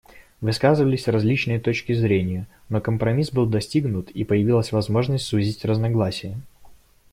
Высказывались различные точки зрения, но компромисс был достигнут, и появилась возможность сузить разногласия.